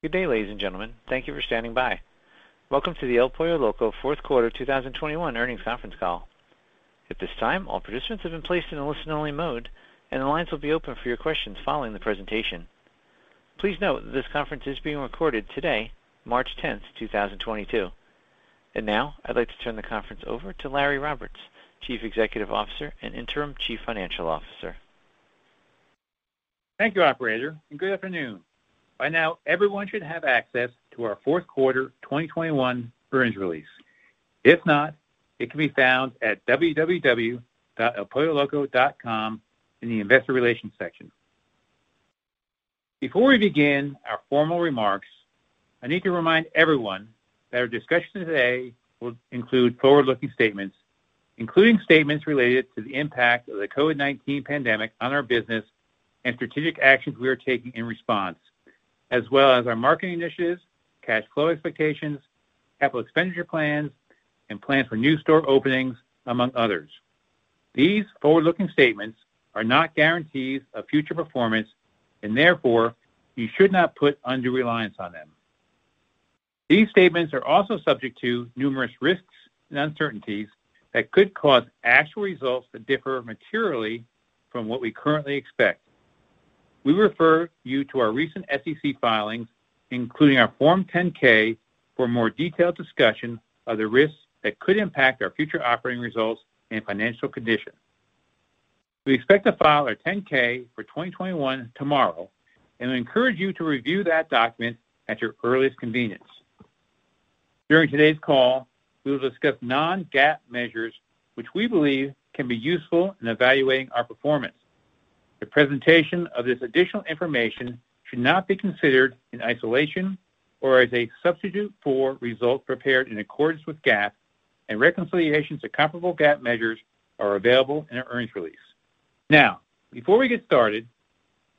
Good day, ladies and gentlemen. Thank you for standing by. Welcome to the El Pollo Loco Fourth Quarter 2021 Earnings Conference Call. At this time, all participants have been placed in a listen-only mode, and the lines will be open for your questions following the presentation. Please note that this conference is being recorded today, March 10, 2022. Now, I'd like to turn the conference over to Larry Roberts, Chief Executive Officer and Interim Chief Financial Officer. Thank you, operator, and good afternoon. By now, everyone should have access to our fourth quarter 2021 earnings release. If not, it can be found at www.elpolloloco.com in the investor relations section. Before we begin our formal remarks, I need to remind everyone that our discussion today will include forward-looking statements, including statements related to the impact of the COVID-19 pandemic on our business and strategic actions we are taking in response, as well as our marketing initiatives, cash flow expectations, capital expenditure plans, and plans for new store openings, among others. These forward-looking statements are not guarantees of future performance, and therefore, you should not put undue reliance on them. These statements are also subject to numerous risks and uncertainties that could cause actual results to differ materially from what we currently expect. We refer you to our recent SEC filings, including our Form 10-K, for more detailed discussion of the risks that could impact our future operating results and financial condition. We expect to file our 10-K for 2021 tomorrow, and we encourage you to review that document at your earliest convenience. During today's call, we will discuss non-GAAP measures, which we believe can be useful in evaluating our performance. The presentation of this additional information should not be considered in isolation or as a substitute for results prepared in accordance with GAAP and reconciliations to comparable GAAP measures are available in our earnings release. Now, before we get started,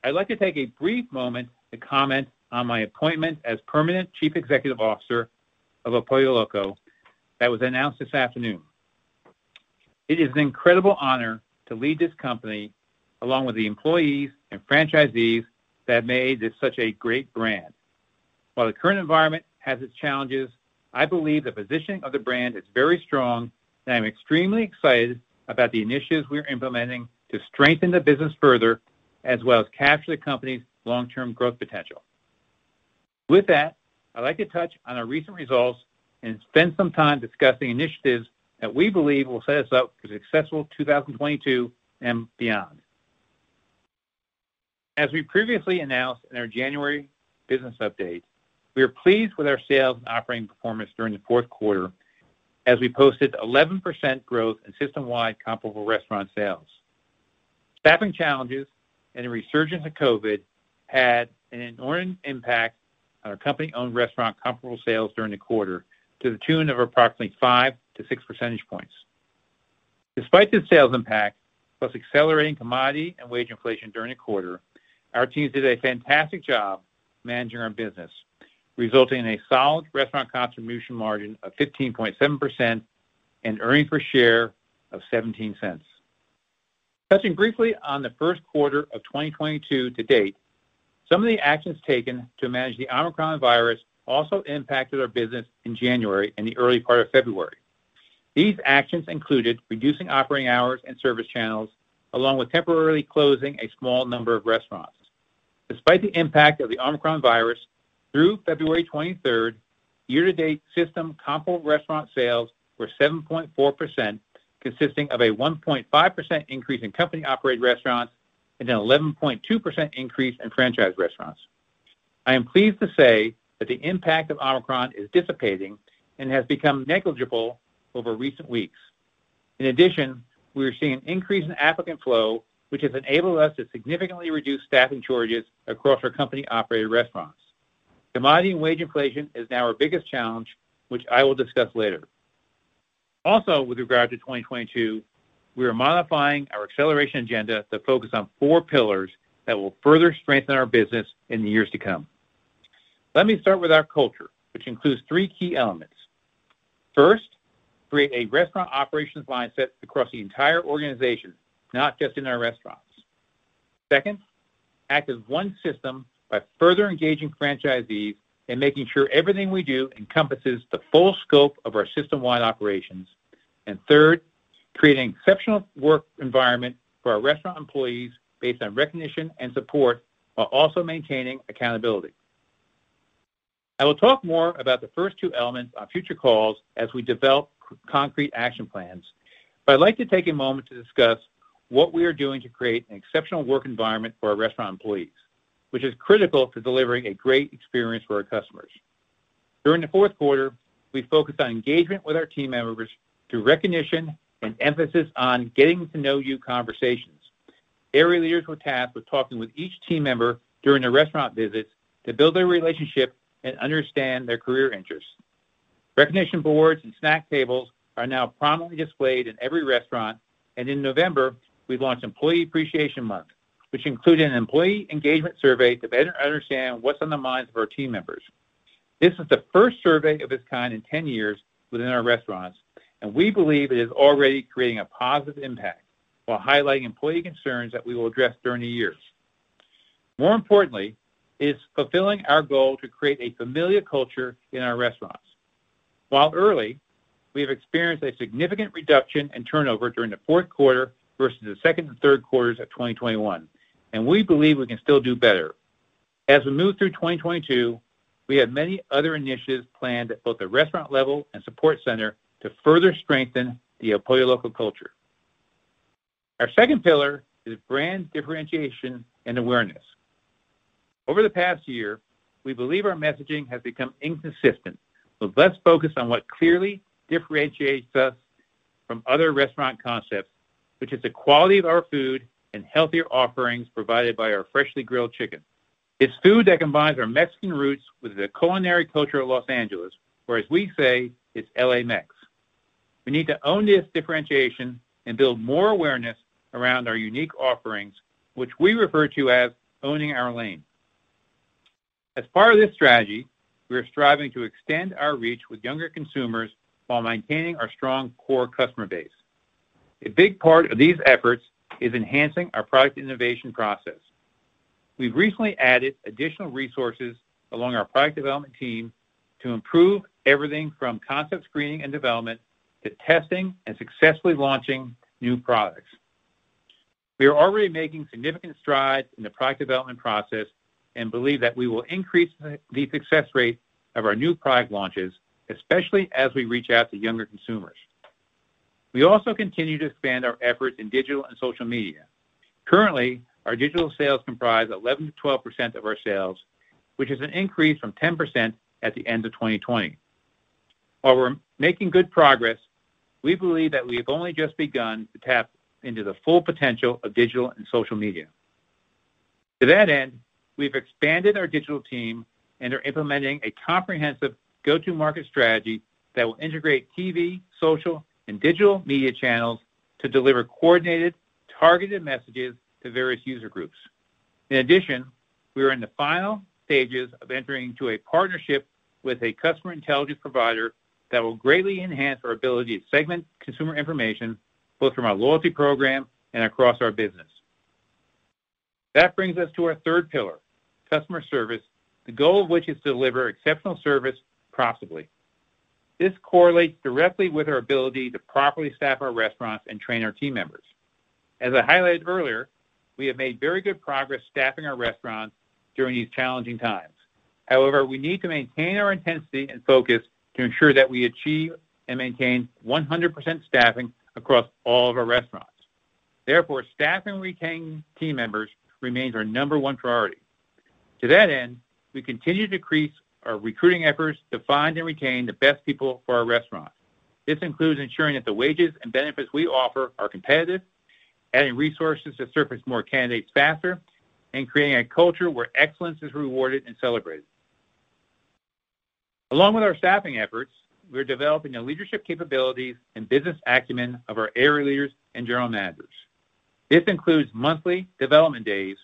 I'd like to take a brief moment to comment on my appointment as permanent Chief Executive Officer of El Pollo Loco that was announced this afternoon. It is an incredible honor to lead this company along with the employees and franchisees that made this such a great brand. While the current environment has its challenges, I believe the positioning of the brand is very strong, and I'm extremely excited about the initiatives we are implementing to strengthen the business further, as well as capture the company's long-term growth potential. With that, I'd like to touch on our recent results and spend some time discussing initiatives that we believe will set us up for successful 2022 and beyond. As we previously announced in our January business update, we are pleased with our sales and operating performance during the fourth quarter as we posted 11% growth in system-wide comparable restaurant sales. Staffing challenges and a resurgence of COVID-19 had an inordinate impact on our company-owned restaurant comparable sales during the quarter to the tune of approximately 5-6 percentage points. Despite this sales impact, plus accelerating commodity and wage inflation during the quarter, our teams did a fantastic job managing our business, resulting in a solid restaurant contribution margin of 15.7% and earnings per share of $0.17. Touching briefly on the first quarter of 2022 to date, some of the actions taken to manage the Omicron virus also impacted our business in January and the early part of February. These actions included reducing operating hours and service channels, along with temporarily closing a small number of restaurants. Despite the impact of the Omicron virus through February 23, year-to-date system comparable restaurant sales were 7.4%, consisting of a 1.5% increase in company-operated restaurants and an 11.2% increase in franchise restaurants. I am pleased to say that the impact of Omicron is dissipating and has become negligible over recent weeks. In addition, we are seeing an increase in applicant flow, which has enabled us to significantly reduce staffing shortages across our company-operated restaurants. Commodity and wage inflation is now our biggest challenge, which I will discuss later. Also, with regard to 2022, we are modifying our acceleration agenda to focus on four pillars that will further strengthen our business in the years to come. Let me start with our culture, which includes three key elements. First, create a restaurant operations mindset across the entire organization, not just in our restaurants. Second, act as one system by further engaging franchisees and making sure everything we do encompasses the full scope of our system-wide operations. Third, create an exceptional work environment for our restaurant employees based on recognition and support while also maintaining accountability. I will talk more about the first two elements on future calls as we develop concrete action plans. I'd like to take a moment to discuss what we are doing to create an exceptional work environment for our restaurant employees, which is critical to delivering a great experience for our customers. During the fourth quarter, we focused on engagement with our team members through recognition and emphasis on getting to know you conversations. Area leaders were tasked with talking with each team member during their restaurant visits to build their relationship and understand their career interests. Recognition boards and snack tables are now prominently displayed in every restaurant. In November, we launched Employee Appreciation Month, which included an employee engagement survey to better understand what's on the minds of our team members. This is the first survey of its kind in 10 years within our restaurants, and we believe it is already creating a positive impact while highlighting employee concerns that we will address during the years. More importantly, it's fulfilling our goal to create a familiar culture in our restaurants. While early, we have experienced a significant reduction in turnover during the fourth quarter versus the second and third quarters of 2021, and we believe we can still do better. As we move through 2022, we have many other initiatives planned at both the restaurant level and support center to further strengthen the employee local culture. Our second pillar is brand differentiation and awareness. Over the past year, we believe our messaging has become inconsistent, but let's focus on what clearly differentiates us from other restaurant concepts, which is the quality of our food and healthier offerings provided by our freshly grilled chicken. It's food that combines our Mexican roots with the culinary culture of Los Angeles, or as we say, it's L.A. Mex. We need to own this differentiation and build more awareness around our unique offerings, which we refer to as owning our lane. As part of this strategy, we are striving to extend our reach with younger consumers while maintaining our strong core customer base. A big part of these efforts is enhancing our product innovation process. We've recently added additional resources along our product development team to improve everything from concept screening and development to testing and successfully launching new products. We are already making significant strides in the product development process and believe that we will increase the success rate of our new product launches, especially as we reach out to younger consumers. We also continue to expand our efforts in digital and social media. Currently, our digital sales comprise 11%-12% of our sales, which is an increase from 10% at the end of 2020. While we're making good progress, we believe that we have only just begun to tap into the full potential of digital and social media. To that end, we've expanded our digital team and are implementing a comprehensive go-to market strategy that will integrate TV, social, and digital media channels to deliver coordinated, targeted messages to various user groups. In addition, we are in the final stages of entering into a partnership with a customer intelligence provider that will greatly enhance our ability to segment consumer information, both from our loyalty program and across our business. That brings us to our third pillar, customer service, the goal of which is to deliver exceptional service profitably. This correlates directly with our ability to properly staff our restaurants and train our team members. As I highlighted earlier, we have made very good progress staffing our restaurants during these challenging times. However, we need to maintain our intensity and focus to ensure that we achieve and maintain 100% staffing across all of our restaurants. Therefore, staffing and retaining team members remains our number one priority. To that end, we continue to increase our recruiting efforts to find and retain the best people for our restaurant. This includes ensuring that the wages and benefits we offer are competitive, adding resources to surface more candidates faster, and creating a culture where excellence is rewarded and celebrated. Along with our staffing efforts, we're developing the leadership capabilities and business acumen of our area leaders and general managers. This includes monthly development days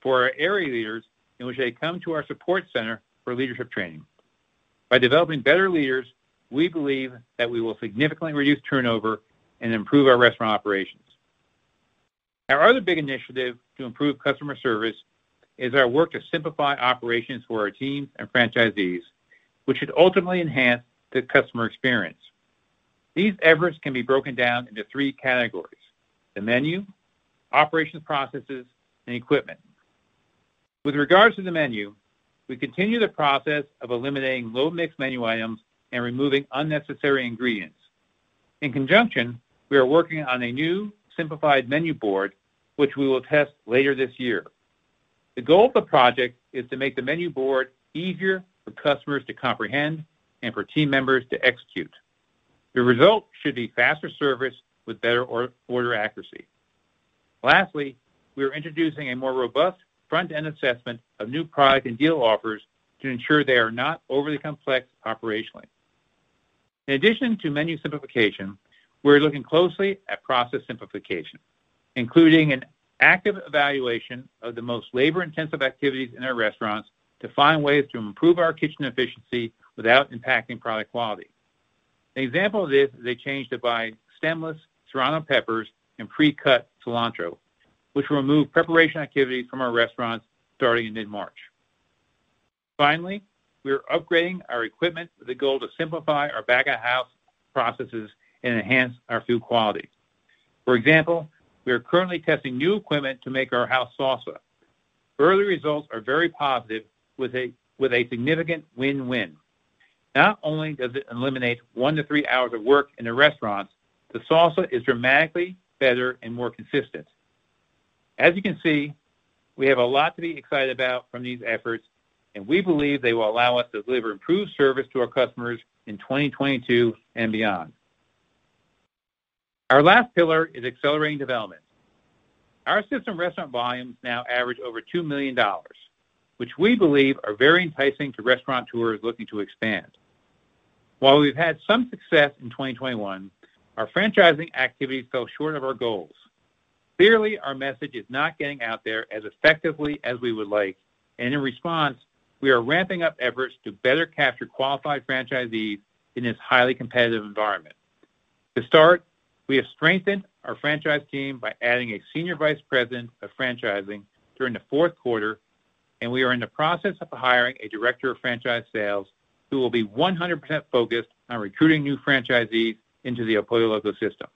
for our area leaders in which they come to our support center for leadership training. By developing better leaders, we believe that we will significantly reduce turnover and improve our restaurant operations. Our other big initiative to improve customer service is our work to simplify operations for our teams and franchisees, which should ultimately enhance the customer experience. These efforts can be broken down into three categories, the menu, operations processes, and equipment. With regards to the menu, we continue the process of eliminating low-mix menu items and removing unnecessary ingredients. In conjunction, we are working on a new simplified menu board, which we will test later this year. The goal of the project is to make the menu board easier for customers to comprehend and for team members to execute. The result should be faster service with better or-order accuracy. Lastly, we are introducing a more robust front-end assessment of new product and deal offers to ensure they are not overly complex operationally. In addition to menu simplification, we're looking closely at process simplification, including an active evaluation of the most labor-intensive activities in our restaurants to find ways to improve our kitchen efficiency without impacting product quality. An example of this is a change to buy stemless serrano peppers and pre-cut cilantro, which will remove preparation activities from our restaurants starting in mid-March. Finally, we are upgrading our equipment with the goal to simplify our back-of-house processes and enhance our food quality. For example, we are currently testing new equipment to make our house salsa. Early results are very positive with a significant win-win. Not only does it eliminate one-three hours of work in the restaurants, the salsa is dramatically better and more consistent. As you can see, we have a lot to be excited about from these efforts, and we believe they will allow us to deliver improved service to our customers in 2022 and beyond. Our last pillar is accelerating development. Our system restaurant volumes now average over $2 million, which we believe are very enticing to restaurateurs looking to expand. While we've had some success in 2021, our franchising activities fell short of our goals. Clearly, our message is not getting out there as effectively as we would like, and in response, we are ramping up efforts to better capture qualified franchisees in this highly competitive environment. To start, we have strengthened our franchise team by adding a senior vice president of franchising during the fourth quarter, and we are in the process of hiring a director of franchise sales who will be 100% focused on recruiting new franchisees into the El Pollo Loco system.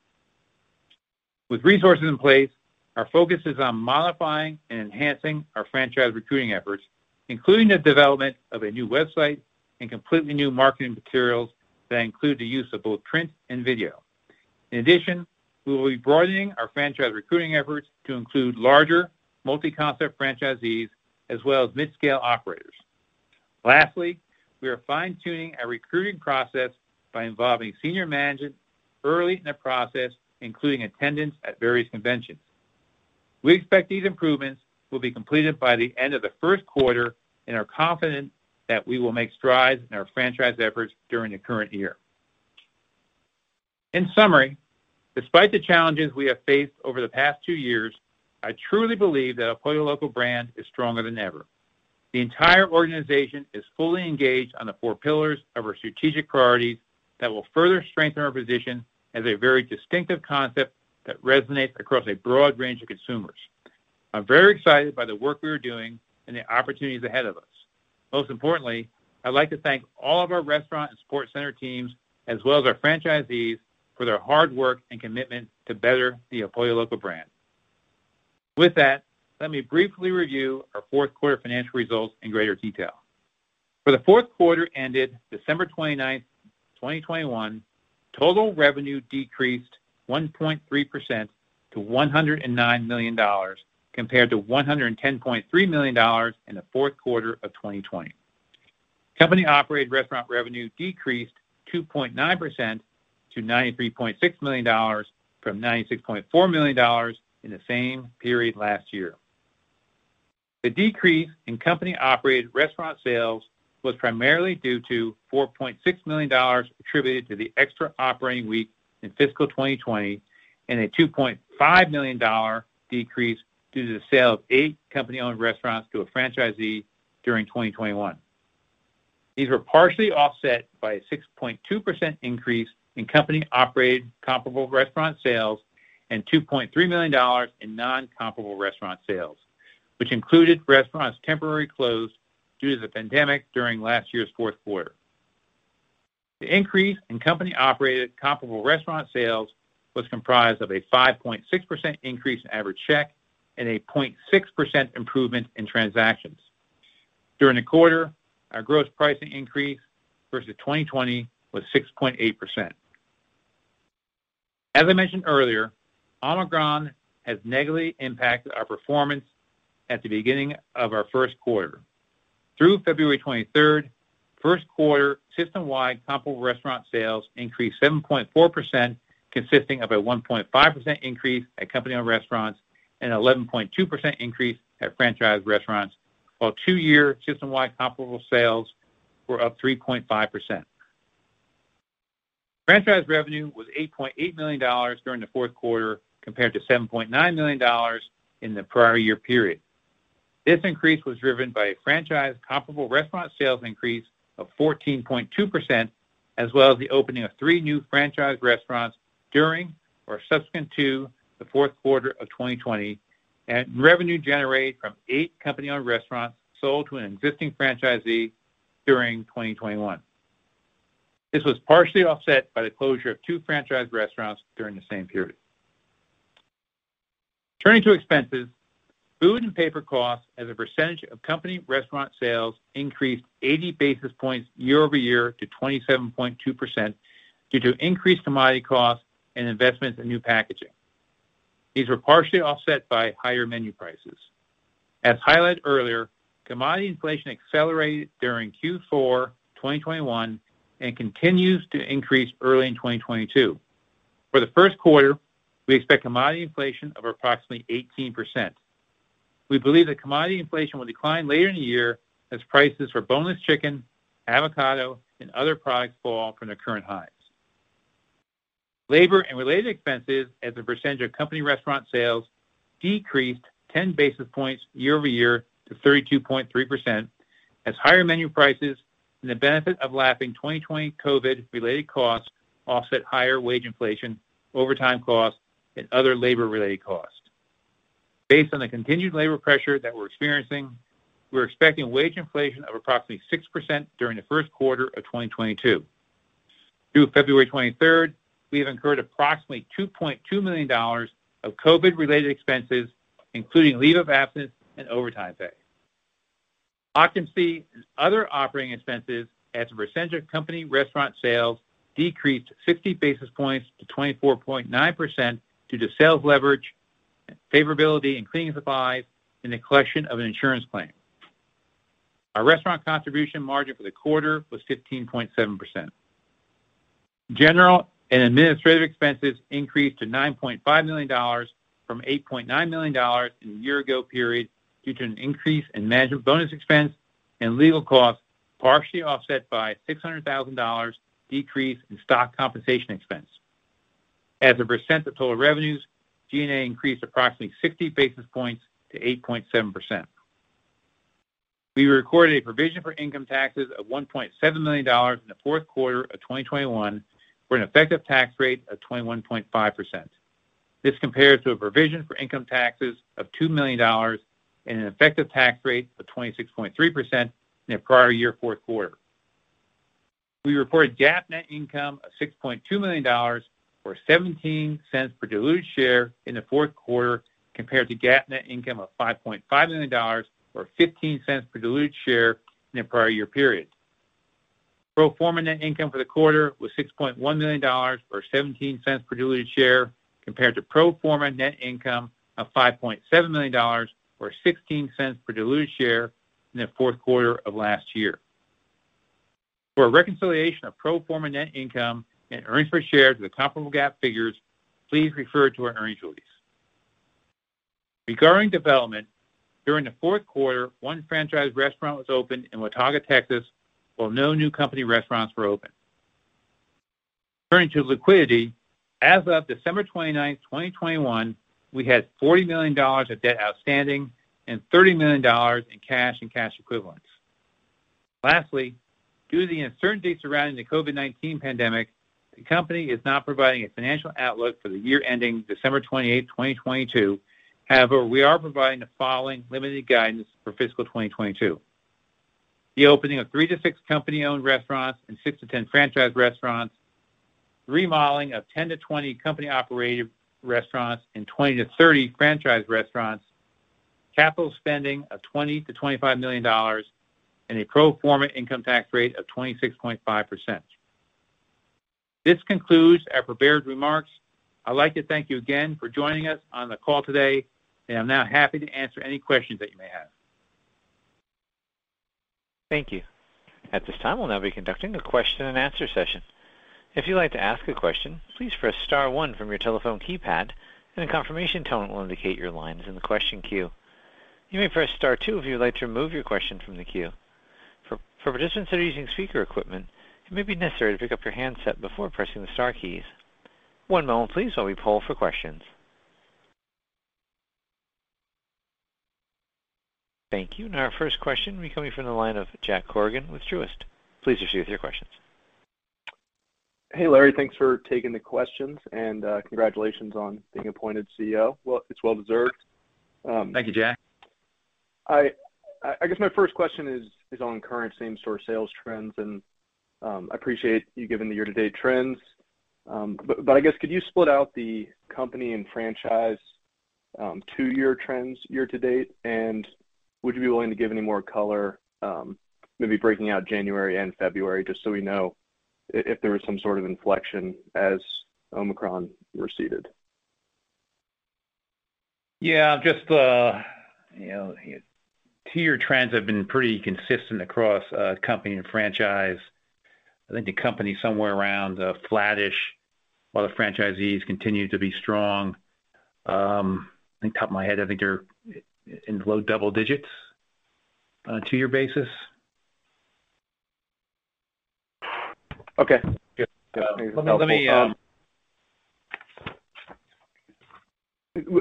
With resources in place, our focus is on modifying and enhancing our franchise recruiting efforts, including the development of a new website and completely new marketing materials that include the use of both print and video. In addition, we will be broadening our franchise recruiting efforts to include larger multi-concept franchisees as well as mid-scale operators. Lastly, we are fine-tuning our recruiting process by involving senior management early in the process, including attendance at various conventions. We expect these improvements will be completed by the end of the first quarter and are confident that we will make strides in our franchise efforts during the current year. In summary, despite the challenges we have faced over the past two years, I truly believe that El Pollo Loco brand is stronger than ever. The entire organization is fully engaged on the four pillars of our strategic priorities that will further strengthen our position as a very distinctive concept that resonates across a broad range of consumers. I'm very excited by the work we are doing and the opportunities ahead of us. Most importantly, I'd like to thank all of our restaurant and support center teams, as well as our franchisees for their hard work and commitment to better the El Pollo Loco brand. With that, let me briefly review our fourth quarter financial results in greater detail. For the fourth quarter ended December 29, 2021, total revenue decreased 1.3% to $109 million compared to $110.3 million in the fourth quarter of 2020. Company-operated restaurant revenue decreased 2.9% to $93.6 million from $96.4 million in the same period last year. The decrease in company-operated restaurant sales was primarily due to $4.6 million attributed to the extra operating week in fiscal 2020 and a $2.5 million decrease due to the sale of eight company-owned restaurants to a franchisee during 2021. These were partially offset by a 6.2% increase in company-operated comparable restaurant sales and $2.3 million in non-comparable restaurant sales, which included restaurants temporarily closed due to the pandemic during last year's fourth quarter. The increase in company-operated comparable restaurant sales was comprised of a 5.6% increase in average check and a 0.6% improvement in transactions. During the quarter, our gross pricing increase versus 2020 was 6.8%. As I mentioned earlier, Omicron has negatively impacted our performance at the beginning of our first quarter. Through February 23, first quarter system-wide comparable restaurant sales increased 7.4%, consisting of a 1.5% increase at company-owned restaurants and 11.2% increase at franchise restaurants, while two-year system-wide comparable sales were up 3.5%. Franchise revenue was $8.8 million during the fourth quarter compared to $7.9 million in the prior year period. This increase was driven by a franchise comparable restaurant sales increase of 14.2%, as well as the opening of three new franchise restaurants during or subsequent to the fourth quarter of 2020 and revenue generated from eight company-owned restaurants sold to an existing franchisee during 2021. This was partially offset by the closure of two franchise restaurants during the same period. Turning to expenses, food and paper costs as a percentage of company restaurant sales increased 80 basis points year-over-year to 27.2% due to increased commodity costs and investments in new packaging. These were partially offset by higher menu prices. As highlighted earlier, commodity inflation accelerated during Q4 2021 and continues to increase early in 2022. For the first quarter, we expect commodity inflation of approximately 18%. We believe that commodity inflation will decline later in the year as prices for boneless chicken, avocado, and other products fall from their current highs. Labor and related expenses as a percentage of company restaurant sales decreased 10 basis points year-over-year to 32.3% as higher menu prices and the benefit of lapping 2020 COVID-related costs offset higher wage inflation, overtime costs, and other labor-related costs. Based on the continued labor pressure that we're experiencing, we're expecting wage inflation of approximately 6% during the first quarter of 2022. Through February 23, we have incurred approximately $2.2 million of COVID-related expenses, including leave of absence and overtime pay. Occupancy and other operating expenses as a percentage of company restaurant sales decreased 60 basis points to 24.9% due to sales leverage, favorability in cleaning supplies, and the collection of an insurance claim. Our restaurant contribution margin for the quarter was 15.7%. General and administrative expenses increased to $9.5 million from $8.9 million in the year ago period due to an increase in management bonus expense and legal costs, partially offset by $600,000 decrease in stock compensation expense. As a percent of total revenues, G&A increased approximately 60 basis points to 8.7%. We recorded a provision for income taxes of $1.7 million in the fourth quarter of 2021, for an effective tax rate of 21.5%. This compares to a provision for income taxes of $2 million and an effective tax rate of 26.3% in the prior year fourth quarter. We reported GAAP net income of $6.2 million, or $0.17 per diluted share in the fourth quarter compared to GAAP net income of $5.5 million or $0.15 per diluted share in the prior year period. Pro forma net income for the quarter was $6.1 million or $0.17 per diluted share compared to pro forma net income of $5.7 million or $0.16 per diluted share in the fourth quarter of last year. For a reconciliation of pro forma net income and earnings per share to the comparable GAAP figures, please refer to our earnings release. Regarding development, during the fourth quarter, one franchise restaurant was opened in Watauga, Texas, while no new company restaurants were opened. Turning to liquidity, as of December 29th, 2021, we had $40 million of debt outstanding and $30 million in cash and cash equivalents. Lastly, due to the uncertainty surrounding the COVID-19 pandemic, the company is not providing a financial outlook for the year ending December 28th, 2022. However, we are providing the following limited guidance for fiscal 2022. The opening of three-six company-owned restaurants and six-10 franchise restaurants, remodeling of 10-20 company-operated restaurants and 20-30 franchise restaurants, capital spending of $20 million-$25 million, and a pro forma income tax rate of 26.5%. This concludes our prepared remarks. I'd like to thank you again for joining us on the call today, and I'm now happy to answer any questions that you may have. Thank you. At this time, we'll now be conducting a question and answer session. If you'd like to ask a question, please press star one from your telephone keypad and a confirmation tone will indicate your line is in the question queue. You may press star two if you would like to remove your question from the queue. For participants that are using speaker equipment, it may be necessary to pick up your handset before pressing the star keys. One moment, please, while we poll for questions. Thank you. Our first question will be coming from the line of Jake Bartlett with Truist. Please proceed with your questions. Hey, Larry. Thanks for taking the questions and, congratulations on being appointed CEO. Well, it's well deserved. Thank you, Jake. I guess my first question is on current same-store sales trends. I appreciate you giving the year-to-date trends. But I guess could you split out the company and franchise two-year trends year to date? Would you be willing to give any more color, maybe breaking out January and February, just so we know if there was some sort of inflection as Omicron receded? Yeah. Just the you know two-year trends have been pretty consistent across company and franchise. I think the company is somewhere around flattish while the franchisees continue to be strong. I think off the top of my head they're in low double digits on a two-year basis. Okay. Good. Yeah. Let me.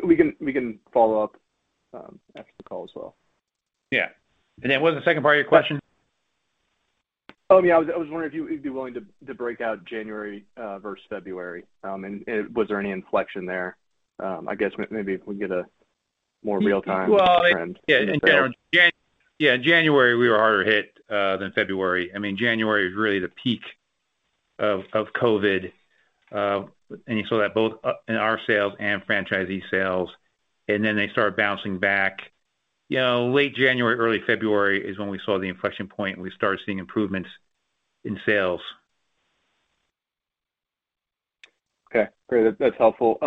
We can follow up after the call as well. Yeah. What was the second part of your question? Oh, yeah. I was wondering if you would be willing to break out January versus February. I guess maybe if we get a more real-time trend. Well, yeah. In January we were harder hit than February. I mean, January is really the peak of COVID, and you saw that both in our sales and franchisee sales, and then they started bouncing back. You know, late January, early February is when we saw the inflection point and we started seeing improvements in sales. Okay. Great. That's helpful.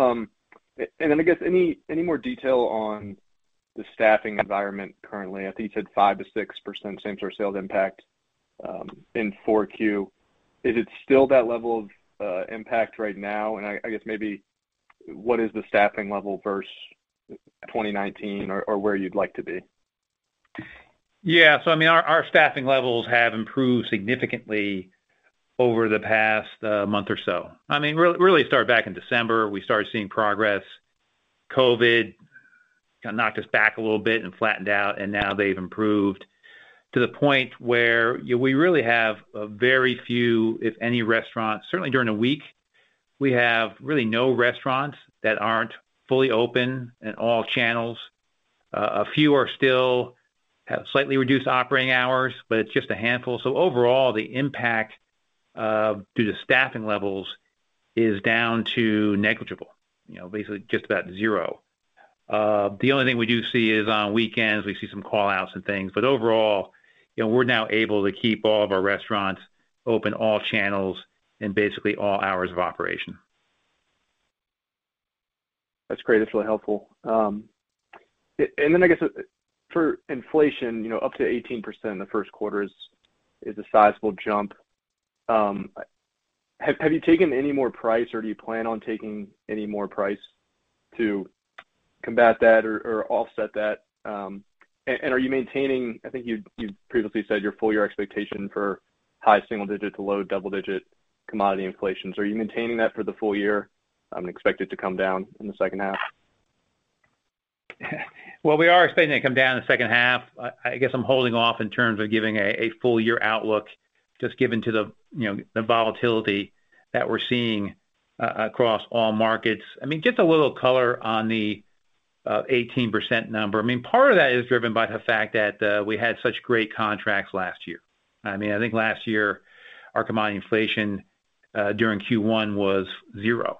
Then I guess any more detail on the staffing environment currently? I think you said 5%-6% same-store sales impact in Q4. Is it still that level of impact right now? I guess maybe what is the staffing level versus 2019 or where you'd like to be? I mean, our staffing levels have improved significantly over the past month or so. I mean, really it started back in December. We started seeing progress. COVID kinda knocked us back a little bit and flattened out, and now they've improved to the point where, you know, we really have a very few, if any, restaurants. Certainly during the week, we have really no restaurants that aren't fully open in all channels. A few still have slightly reduced operating hours, but it's just a handful. Overall, the impact due to staffing levels is down to negligible. You know, basically just about zero. The only thing we do see is on weekends, we see some call-outs and things, but overall, you know, we're now able to keep all of our restaurants open all channels in basically all hours of operation. That's great. That's really helpful. And then I guess, for inflation, you know, up to 18% in the first quarter is a sizable jump. Have you taken any more price or do you plan on taking any more price to combat that or offset that? And are you maintaining? I think you previously said your full-year expectation for high single-digit to low double-digit commodity inflation. Are you maintaining that for the full year and expect it to come down in the second half? Well, we are expecting to come down in the second half. I guess I'm holding off in terms of giving a full year outlook, just given the volatility that we're seeing across all markets. I mean, just a little color on the 18% number. I mean, part of that is driven by the fact that we had such great contracts last year. I mean, I think last year our commodity inflation during Q1 was zero.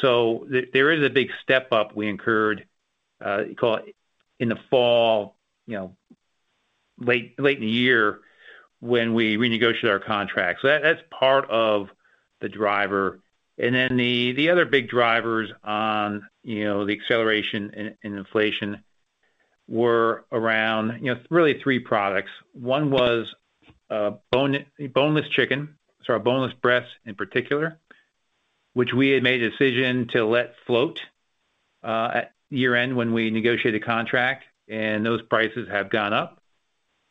So there is a big step up we incurred, call it in the fall, you know, late in the year when we renegotiated our contracts. So that's part of the driver. Then the other big drivers on the acceleration in inflation were around, you know, really three products. One was boneless chicken, so our boneless breasts in particular, which we had made a decision to let float at year-end when we negotiated contract, and those prices have gone up.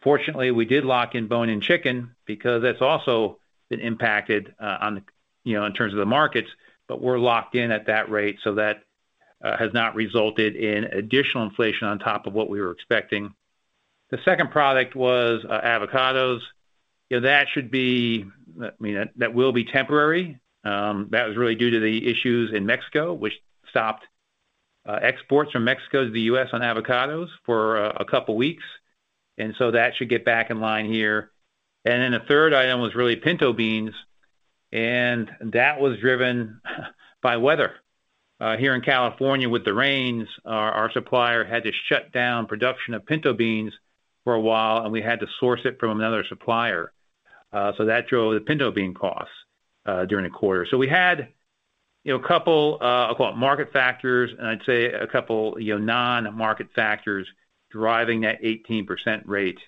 Fortunately, we did lock in bone-in chicken because that's also been impacted, you know, in terms of the markets, but we're locked in at that rate, so that has not resulted in additional inflation on top of what we were expecting. The second product was avocados. You know, I mean, that will be temporary. That was really due to the issues in Mexico, which stopped exports from Mexico to the U.S. on avocados for a couple weeks. That should get back in line here. The third item was really pinto beans, and that was driven by weather. Here in California with the rains, our supplier had to shut down production of pinto beans for a while, and we had to source it from another supplier. That drove the pinto bean costs during the quarter. We had, you know, a couple, I'll call it market factors and I'd say a couple, you know, non-market factors driving that 18% rate.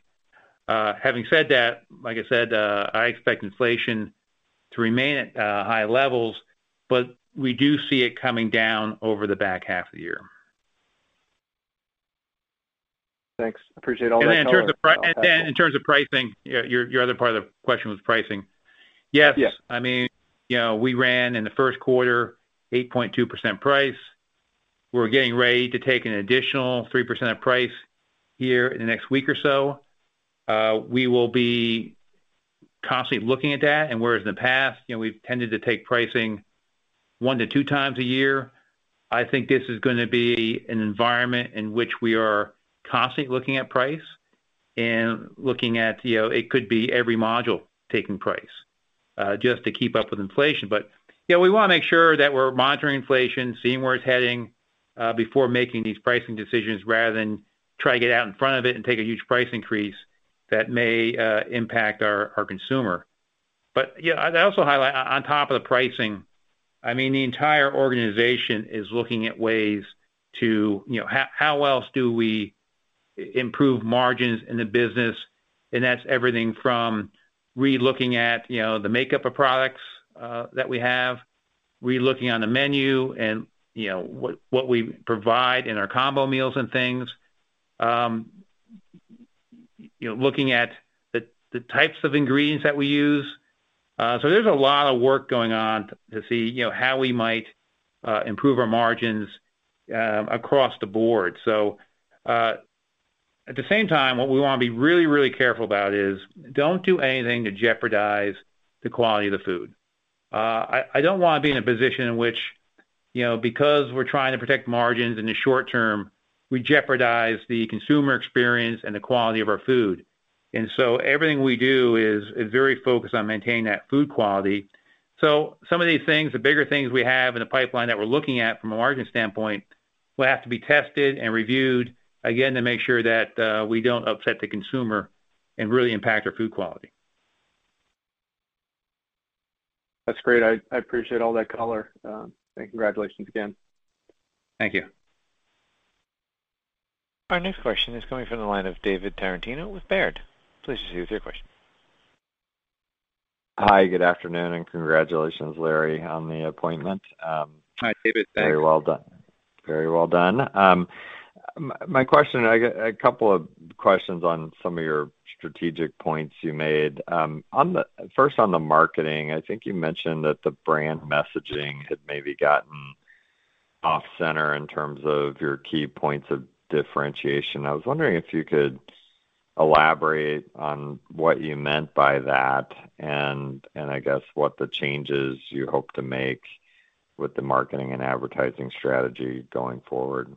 Having said that, like I said, I expect inflation to remain at high levels, but we do see it coming down over the back half of the year. Thanks. Appreciate all that color. In terms of pricing, yeah, your other part of the question was pricing. Yes. Yeah. I mean, you know, we ran in the first quarter 8.2% price. We're getting ready to take an additional 3% of price here in the next week or so. We will be constantly looking at that. Whereas in the past, you know, we've tended to take pricing one-two times a year, I think this is gonna be an environment in which we are constantly looking at price and looking at, you know, it could be every month taking price just to keep up with inflation. You know, we want to make sure that we're monitoring inflation, seeing where it's heading before making these pricing decisions rather than try to get out in front of it and take a huge price increase that may impact our consumer. Yeah, I'd also highlight on top of the pricing, I mean, the entire organization is looking at ways to, you know, how else do we improve margins in the business? That's everything from re-looking at, you know, the makeup of products that we have, re-looking on the menu and, you know, what we provide in our combo meals and things. You know, looking at the types of ingredients that we use. So there's a lot of work going on to see, you know, how we might improve our margins across the board. At the same time, what we want to be really, really careful about is don't do anything to jeopardize the quality of the food. I don't want to be in a position in which, you know, because we're trying to protect margins in the short term, we jeopardize the consumer experience and the quality of our food. Everything we do is very focused on maintaining that food quality. Some of these things, the bigger things we have in the pipeline that we're looking at from a margin standpoint, will have to be tested and reviewed again to make sure that we don't upset the consumer and really impact our food quality. That's great. I appreciate all that color. Congratulations again. Thank you. Our next question is coming from the line of David Tarantino with Baird. Please proceed with your question. Hi, good afternoon, and congratulations, Larry, on the appointment. Hi, David. Thanks. Very well done. My question, I got a couple of questions on some of your strategic points you made. First, on the marketing, I think you mentioned that the brand messaging had maybe gotten off center in terms of your key points of differentiation. I was wondering if you could elaborate on what you meant by that and I guess what the changes you hope to make with the marketing and advertising strategy going forward.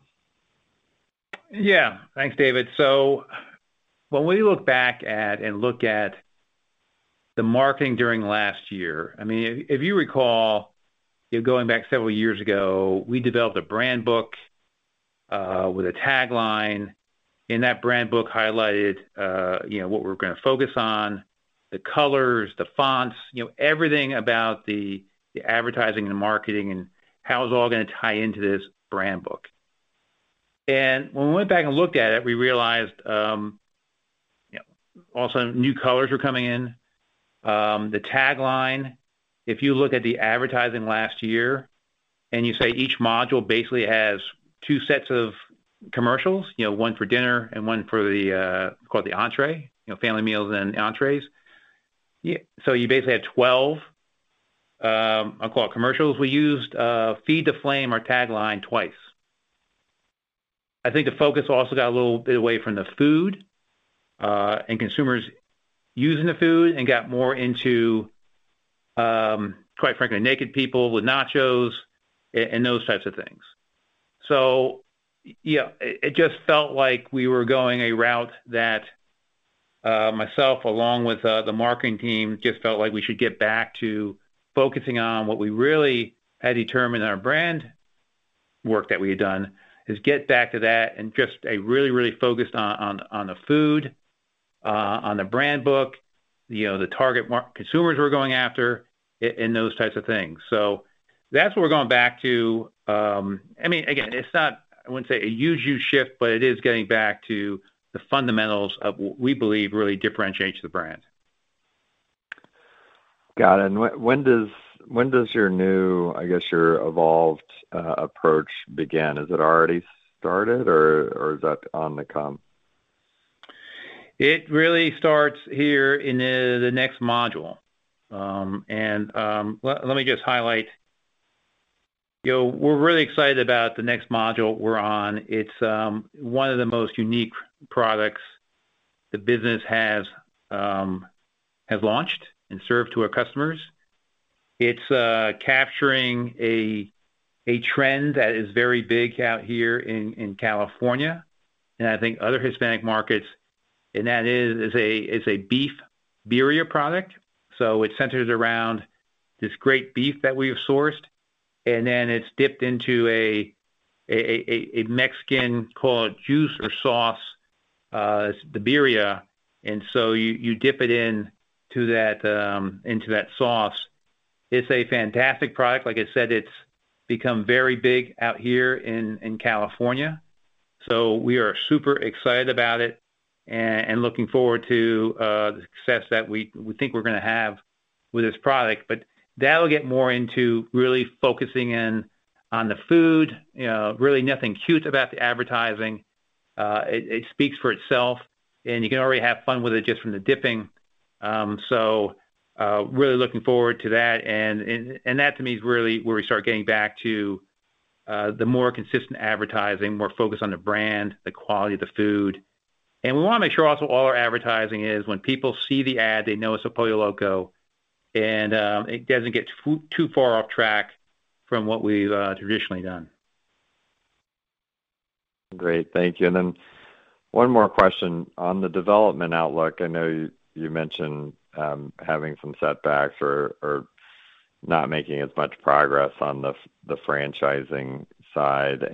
Yeah. Thanks, David. When we look back at and look at the marketing during last year, I mean, if you recall, you know, going back several years ago, we developed a brand book with a tagline. In that brand book highlighted what we're gonna focus on, the colors, the fonts, you know, everything about the advertising and marketing and how it's all gonna tie into this brand book. When we went back and looked at it, we realized, you know, also new colors were coming in. The tagline, if you look at the advertising last year, and you say each module basically has two sets of commercials, you know, one for dinner and one for the call it the entree, you know, family meals and entrees. You basically had 12, I'll call it commercials. We used Feed the Flame, our tagline, twice. I think the focus also got a little bit away from the food, and consumers using the food and got more into, quite frankly, naked people with nachos and those types of things. Yeah, it just felt like we were going a route that myself, along with the marketing team, just felt like we should get back to focusing on what we really had determined in our brand work that we had done, is get back to that and just a really focused on the food, on the brand book, you know, the target market consumers we're going after, and those types of things. That's what we're going back to. I mean, again, it's not, I wouldn't say a huge shift, but it is getting back to the fundamentals of what we believe really differentiates the brand. Got it. When does your new, I guess, your evolved approach begin? Is it already started or is that on the come? It really starts here in the next module. Let me just highlight. You know, we're really excited about the next module we're on. It's one of the most unique products the business has launched and served to our customers. It's capturing a trend that is very big out here in California and I think other Hispanic markets, and that is, it's a beef birria product. It centers around this great beef that we have sourced, and then it's dipped into a Mexican consommé juice or sauce, the birria. You dip it into that sauce. It's a fantastic product. Like I said, it's become very big out here in California, so we are super excited about it and looking forward to the success that we think we're gonna have with this product. That'll get more into really focusing in on the food. You know, really nothing cute about the advertising. It speaks for itself, and you can already have fun with it just from the dipping. Really looking forward to that. That to me is really where we start getting back to the more consistent advertising, more focused on the brand, the quality of the food. We wanna make sure also all our advertising is when people see the ad, they know it's Pollo Loco and it doesn't get too far off track from what we've traditionally done. Great. Thank you. One more question on the development outlook. I know you mentioned having some setbacks or not making as much progress on the franchising side.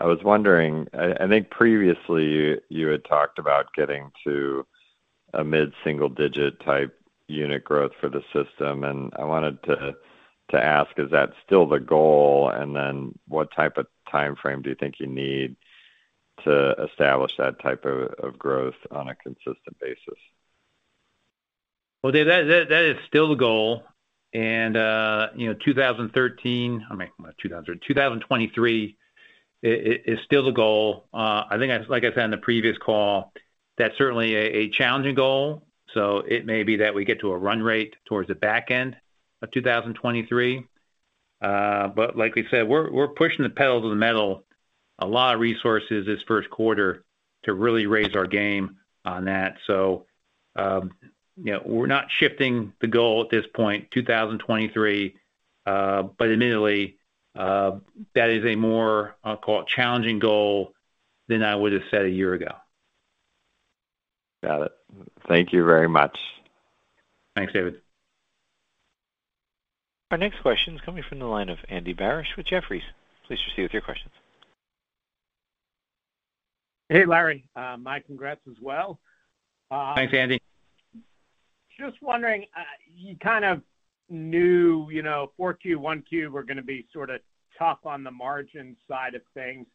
I was wondering, I think previously you had talked about getting to a mid-single digit type unit growth for the system, and I wanted to ask, is that still the goal? What type of timeframe do you think you need to establish that type of growth on a consistent basis? Well, Dave, that is still the goal. You know, I mean, not 2013. 2023 is still the goal. I think, like I said in the previous call, that's certainly a challenging goal, so it may be that we get to a run rate towards the back end of 2023. But like we said, we're pushing the pedal to the metal, a lot of resources this first quarter to really raise our game on that. You know, we're not shifting the goal at this point, 2023, but admittedly, that is a more, I'll call it, challenging goal than I would have said a year ago. Got it. Thank you very much. Thanks, David. Our next question is coming from the line of Andy Barish with Jefferies. Please proceed with your questions. Hey, Larry. My congrats as well. Thanks, Andy. Just wondering, you kind of knew, you know, 4Q, 1Q were gonna be sort of tough on the margin side of things.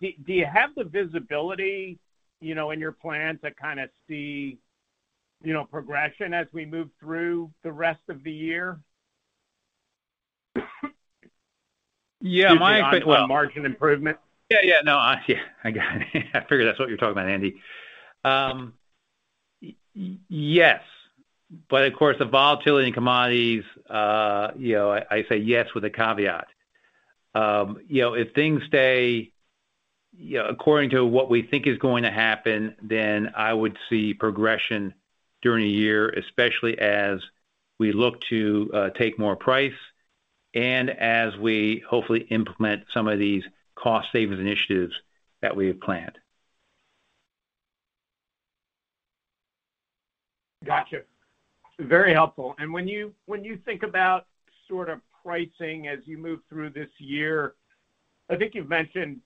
Do you have the visibility, you know, in your plan to kind of see, you know, progression as we move through the rest of the year? Yeah, my- Excuse me. On margin improvement. Yeah, yeah, no. Yeah, I got it. I figured that's what you're talking about, Andy. Yes, but of course, the volatility in commodities, you know, I say yes with a caveat. You know, if things stay, you know, according to what we think is going to happen, then I would see progression during the year, especially as we look to take more price and as we hopefully implement some of these cost savings initiatives that we have planned. Gotcha. Very helpful. When you think about sort of pricing as you move through this year, I think you've mentioned,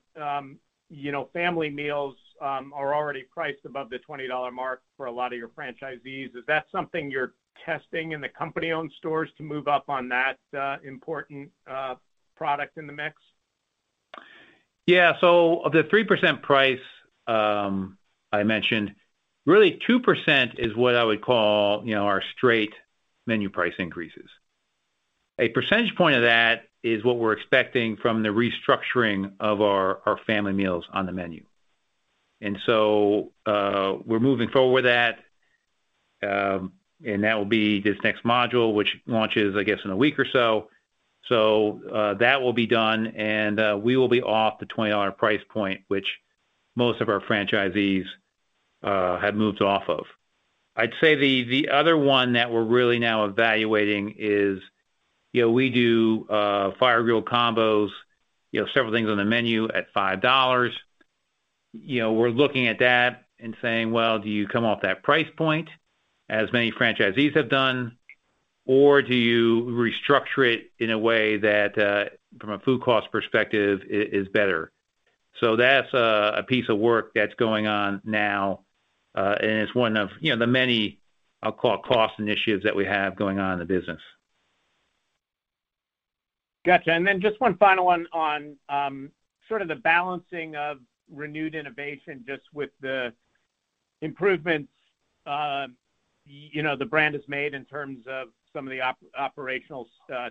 you know, family meals are already priced above the $20 mark for a lot of your franchisees. Is that something you're testing in the company-owned stores to move up on that important product in the mix? Yeah. Of the 3% price I mentioned, really 2% is what I would call, you know, our straight menu price increases. A percentage point of that is what we're expecting from the restructuring of our family meals on the menu. We're moving forward with that, and that will be this next module, which launches, I guess, in a week or so. That will be done, and we will be off the $20 price point, which most of our franchisees have moved off of. I'd say the other one that we're really now evaluating is, you know, we do fire grilled combos, you know, several things on the menu at $5. You know, we're looking at that and saying, "Well, do you come off that price point as many franchisees have done, or do you restructure it in a way that, from a food cost perspective is better?" That's a piece of work that's going on now, and it's one of, you know, the many, I'll call it, cost initiatives that we have going on in the business. Gotcha. Just one final one on sort of the balancing of renewed innovation just with the improvements you know the brand has made in terms of some of the operational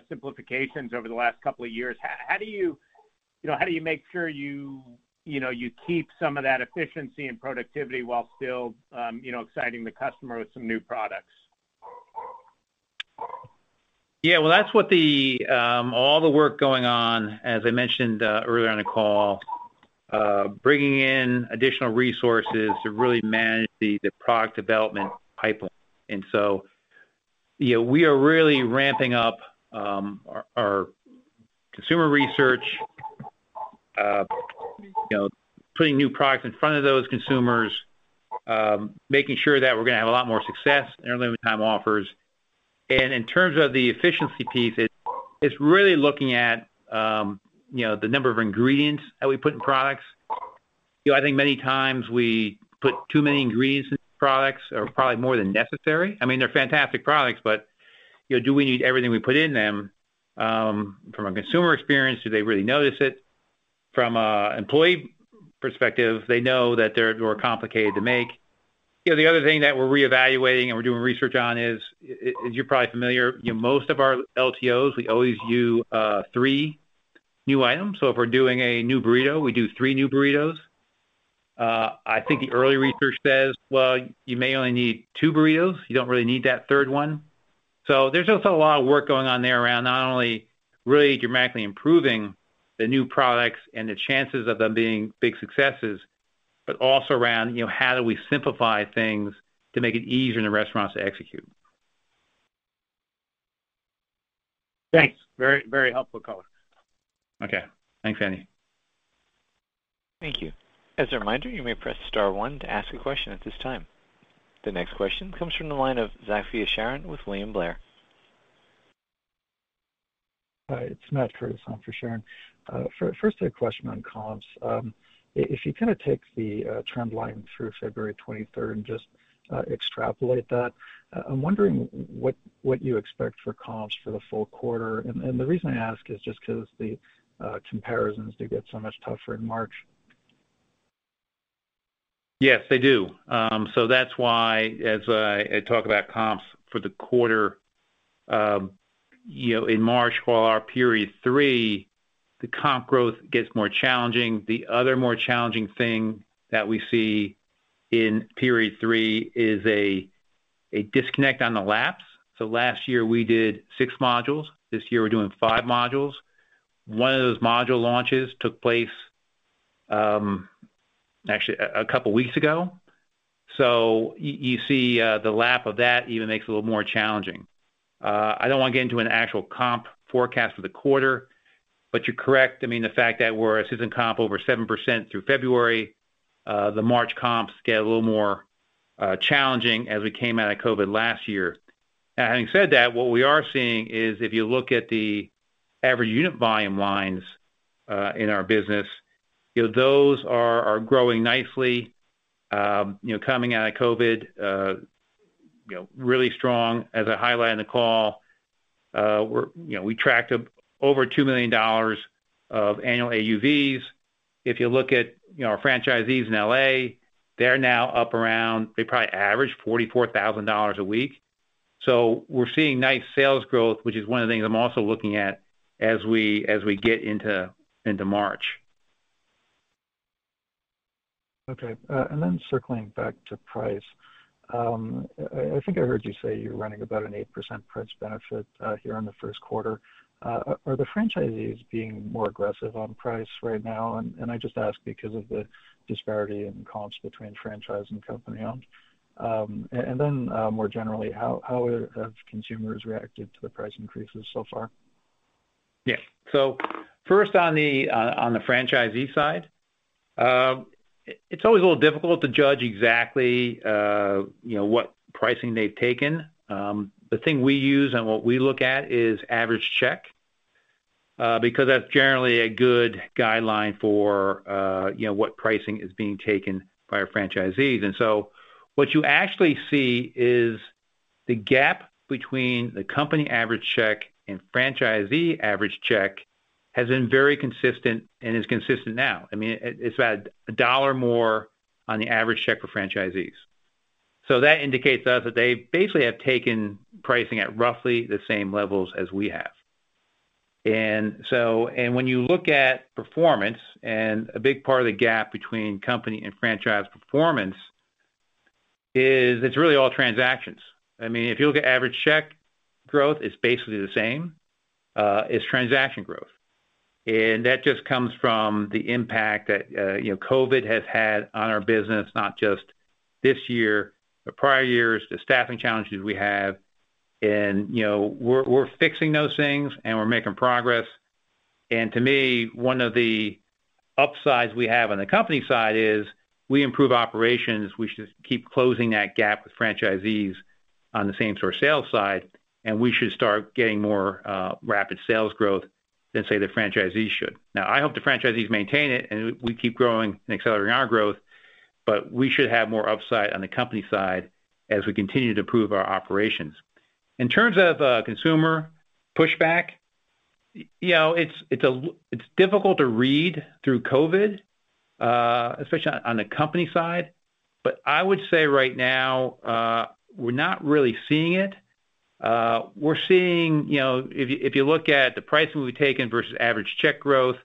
simplifications over the last couple of years. How do you know, make sure you know, keep some of that efficiency and productivity while still you know exciting the customer with some new products? Yeah. Well, that's what all the work going on, as I mentioned, earlier on the call, bringing in additional resources to really manage the product development pipeline. You know, we are really ramping up our consumer research, you know, putting new products in front of those consumers, making sure that we're gonna have a lot more success in our limited time offers. In terms of the efficiency piece, it's really looking at, you know, the number of ingredients that we put in products. You know, I think many times we put too many ingredients in products or probably more than necessary. I mean, they're fantastic products, but, you know, do we need everything we put in them? From a consumer experience, do they really notice it? From an employee perspective, they know that they're more complicated to make. You know, the other thing that we're reevaluating and we're doing research on is you're probably familiar, you know, most of our LTOs, we always do three new items. So if we're doing a new burrito, we do three new burritos. I think the early research says, well, you may only need two burritos. You don't really need that third one. So there's just a lot of work going on there around not only really dramatically improving the new products and the chances of them being big successes, but also around, you know, how do we simplify things to make it easier in the restaurants to execute. Thanks. Very, very helpful call. Okay. Thanks, Andy. Thank you. As a reminder, you may press star one to ask a question at this time. The next question comes from the line of Zackfia Sharon with William Blair. Hi, it's Matt Curtis on for Sharon. First a question on comps. If you kind of take the trend line through February twenty-third and just extrapolate that, I'm wondering what you expect for comps for the full quarter. The reason I ask is just 'cause the comparisons they get so much tougher in March. Yes, they do. That's why as I talk about comps for the quarter, you know, in March, while our period three, the comp growth gets more challenging. The other more challenging thing that we see in period three is a disconnect on the lapping. Last year, we did six modules. This year, we're doing five modules. One of those module launches took place, actually a couple weeks ago. You see, the lapping of that even makes it a little more challenging. I don't wanna get into an actual comp forecast for the quarter, but you're correct. I mean, the fact that we're seeing comp over 7% through February, the March comps get a little more challenging as we came out of COVID last year. Having said that, what we are seeing is if you look at the average unit volume lines in our business, you know, those are growing nicely, you know, coming out of COVID, you know, really strong. As I highlighted on the call, you know, we tracked over $2 million of annual AUVs. If you look at, you know, our franchisees in L.A., they're now up around, they probably average $44,000 a week. So we're seeing nice sales growth, which is one of the things I'm also looking at as we get into March. Circling back to price. I think I heard you say you're running about a 8% price benefit here in the first quarter. Are the franchisees being more aggressive on price right now? I just ask because of the disparity in comps between franchise and company-owned. More generally, how have consumers reacted to the price increases so far? Yes. First on the franchisee side, it's always a little difficult to judge exactly, you know, what pricing they've taken. The thing we use and what we look at is average check, because that's generally a good guideline for, you know, what pricing is being taken by our franchisees. What you actually see is the gap between the company average check and franchisee average check has been very consistent and is consistent now. I mean, it's about $1 more on the average check for franchisees. That indicates to us that they basically have taken pricing at roughly the same levels as we have. When you look at performance, a big part of the gap between company and franchise performance is really all transactions. I mean, if you look at average check growth, it's basically the same. It's transaction growth. That just comes from the impact that, you know, COVID has had on our business, not just this year, the prior years, the staffing challenges we have. You know, we're fixing those things, and we're making progress. To me, one of the upsides we have on the company side is we improve operations. We should keep closing that gap with franchisees on the same-store sales side, and we should start getting more rapid sales growth than, say, the franchisees should. Now, I hope the franchisees maintain it, and we keep growing and accelerating our growth, but we should have more upside on the company side as we continue to improve our operations. In terms of consumer pushback, you know, it's difficult to read through COVID, especially on the company side. I would say right now, we're not really seeing it. We're seeing, you know, if you look at the pricing we've taken versus average check growth,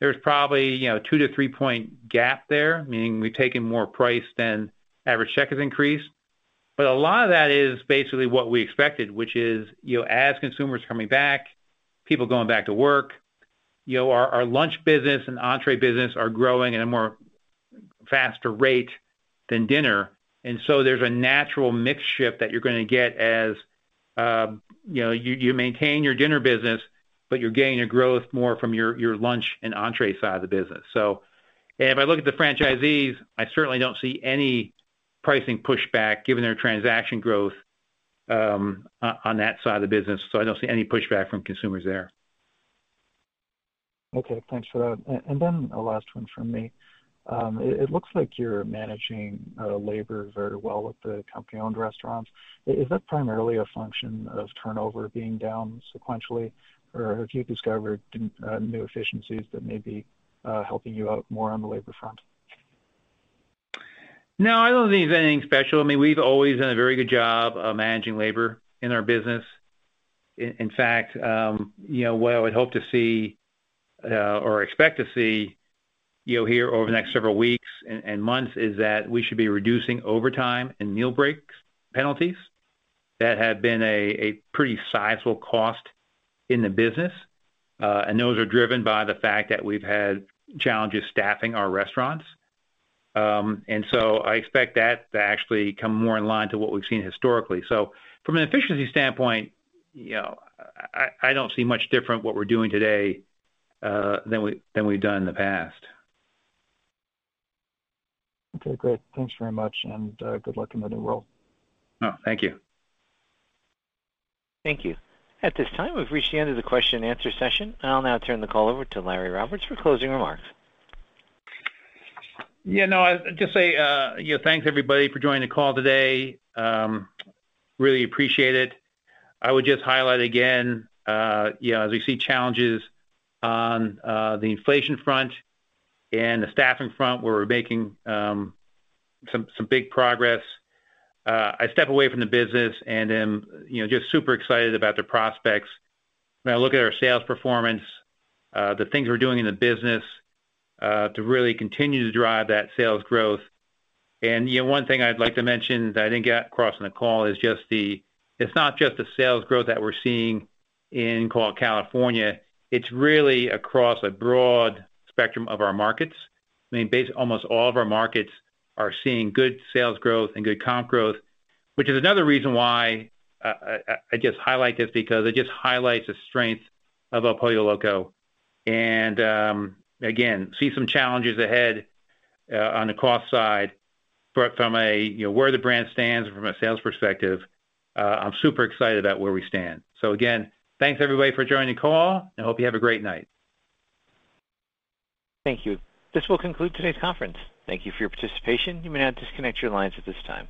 there's probably, you know, two-three point gap there, meaning we've taken more price than average check has increased. A lot of that is basically what we expected, which is, you know, as consumers are coming back, people going back to work, you know, our lunch business and entree business are growing at a more faster rate than dinner. There's a natural mix shift that you're gonna get as, you know, you maintain your dinner business, but you're gaining your growth more from your lunch and entree side of the business. If I look at the franchisees, I certainly don't see any pricing pushback given their transaction growth, on that side of the business, so I don't see any pushback from consumers there. Okay. Thanks for that. A last one from me. It looks like you're managing labor very well with the company-owned restaurants. Is that primarily a function of turnover being down sequentially, or have you discovered new efficiencies that may be helping you out more on the labor front? No, I don't think it's anything special. I mean, we've always done a very good job of managing labor in our business. In fact, you know, what I would hope to see or expect to see, you know, here over the next several weeks and months is that we should be reducing overtime and meal breaks penalties. That had been a pretty sizable cost in the business. Those are driven by the fact that we've had challenges staffing our restaurants. I expect that to actually come more in line to what we've seen historically. From an efficiency standpoint, you know, I don't see much different what we're doing today than we've done in the past. Okay, great. Thanks very much, and good luck in the new role. Oh, thank you. Thank you. At this time, we've reached the end of the question and answer session. I'll now turn the call over to Larry Roberts for closing remarks. Yeah, no, I'd just say, you know, thanks, everybody, for joining the call today. Really appreciate it. I would just highlight again, you know, as we see challenges on the inflation front and the staffing front, where we're making some big progress, I step away from the business and am, you know, just super excited about the prospects. When I look at our sales performance, the things we're doing in the business to really continue to drive that sales growth. You know, one thing I'd like to mention that I didn't get across on the call is just it's not just the sales growth that we're seeing in California, it's really across a broad spectrum of our markets. I mean, almost all of our markets are seeing good sales growth and good comp growth, which is another reason why I just highlight this because it just highlights the strength of El Pollo Loco. Again, see some challenges ahead on the cost side, but from a, you know, where the brand stands and from a sales perspective, I'm super excited about where we stand. Again, thanks everybody for joining the call, and I hope you have a great night. Thank you. This will conclude today's conference. Thank you for your participation. You may now disconnect your lines at this time.